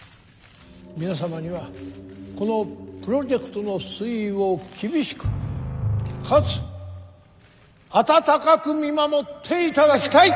皆様にはこのプロジェクトの推移を厳しくかつ温かく見守っていただきたい。